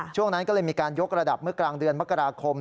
ช่วงนั้นก็เลยมีการยกระดับเมื่อกลางเดือนมกราคม